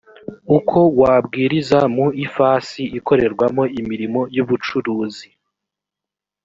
uko wabwiriza mu ifasi ikorerwamo imirimo y’ubucuruzi